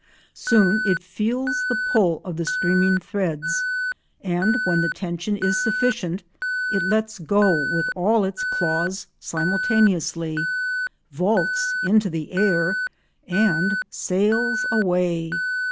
Soon it feels the pull of the streaming threads, and when the tension is sufficient it lets go with all its claws simultaneously, vaults into the air and sails away.